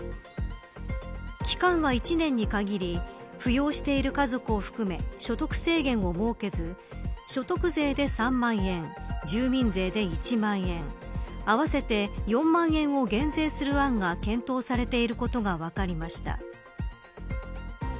期間は１年に限り扶養している家族を含め所得制限を設けず所得税で３万円住民税で１万円合わせて４万円を減税する案が検討されていることが分かりました。